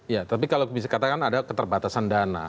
ya tapi kalau bisa dikatakan ada keterbatasan dana